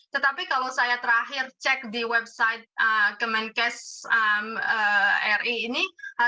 tetapi kalau saya terakhir cek di website kemenkes ri ini